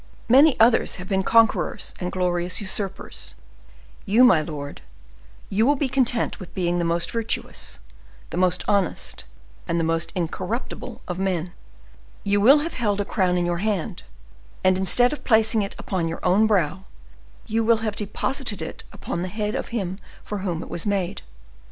Many others have been conquerors and glorious usurpers; you, my lord, you will be content with being the most virtuous, the most honest, and the most incorruptible of men: you will have held a crown in your hand, and instead of placing it upon your own brow, you will have deposited it upon the head of him for whom it was made.